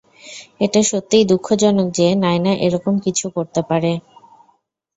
এটা সত্যিই দুঃখজনক যে নায়না এরকম কিছু করতে পারে।